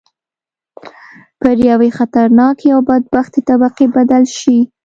پر یوې خطرناکې او بدبختې طبقې بدل شي.